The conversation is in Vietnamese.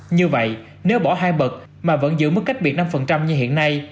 như vậy nếu bỏ hai bậc mà vẫn giữ mức cách biệt năm như hiện nay